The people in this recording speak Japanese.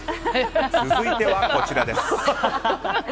続いてはこちらです。